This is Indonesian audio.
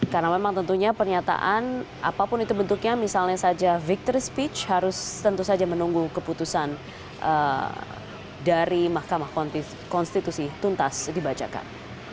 karena memang tentunya pernyataan apapun itu bentuknya misalnya saja victory speech harus tentu saja menunggu keputusan dari mahkamah konstitusi tuntas dibacakan